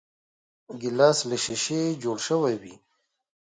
ګیلاس له شیشې جوړ شوی وي.